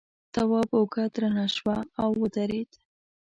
تواب اوږه درنه شوه او ودرېد.